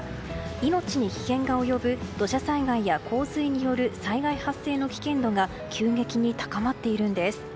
命に危険が及ぶ土砂災害や洪水による災害発生の危険度が急激に高まっているんです。